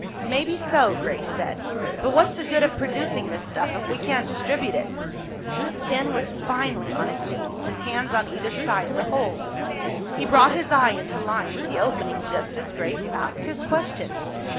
"Maybe so," Grace said. "But what's the good of producing this stuff if we can't distribute it?" Ken was finally on his knees, his hands on either side of the hole. He brought his eye into line with the opening just as Grace asked his question.